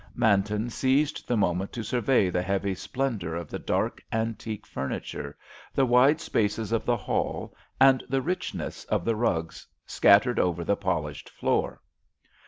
Manton seized the moment to survey the heavy splendour of the dark antique furniture, the wide spaces of the hall and the richness of the rugs scattered over the polished floor.